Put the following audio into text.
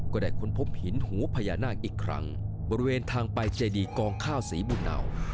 ก็ได้ค้นพบหินหัวพญานาคอีกครั้งบริเวณทางปลายเจดีย์กองข้าวสีบุรณาว